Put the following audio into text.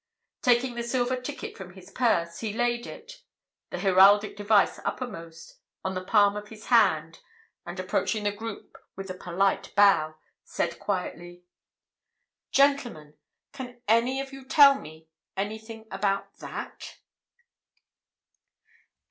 Taking the silver ticket from his purse, he laid it, the heraldic device uppermost, on the palm of his hand, and approaching the group with a polite bow, said quietly: "Gentlemen, can any of you tell me anything about that?"